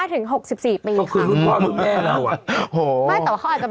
เขาคือรุ่นพ่อรุ่นแม่แล้ว